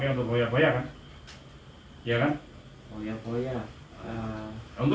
disuruhnya di wo mungkin kita gak dapat tuh